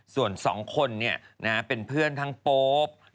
ส่วนสองคนเนี่ยเป็นเพื่อนทั้งโป๊ป